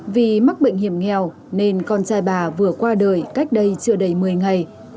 vì mắc bệnh hiểm nghèo nên con trai bà vừa qua đời cách đây chưa đầy một mươi ngày